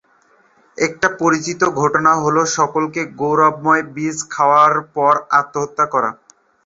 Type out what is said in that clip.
একটা পরিচিত ঘটনা হল সকালের গৌরবময় বীজ খাওয়ার পর আত্মহত্যা করা।